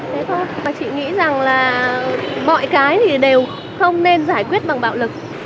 mà chị nghĩ rằng là mọi cái thì đều không nên giải quyết bằng bạo lực